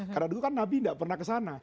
karena dulu kan nabi gak pernah kesana